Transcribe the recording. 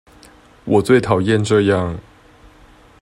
我最討厭這樣